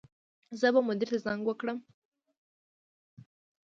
زه به مدیر ته زنګ وکړم